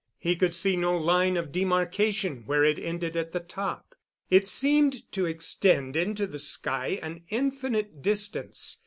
He could see no line of demarkation where it ended at the top. It seemed to extend into the sky an infinite distance.